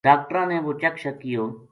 ڈاکٹراں نے وہ چیک شیک کِیو